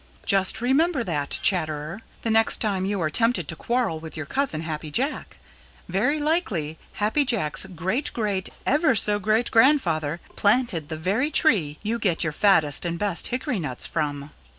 Just remember that, Chatterer, the next time you are tempted to quarrel with your cousin, Happy Jack. Very likely Happy Jack's great great ever so great grandfather planted the very tree you get your fattest and best hickory nuts from.